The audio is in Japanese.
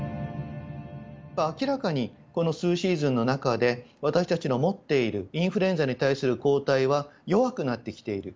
明らかにこの数シーズンの中で、私たちの持っているインフルエンザに対する抗体は弱くなってきている。